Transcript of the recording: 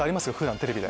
テレビで。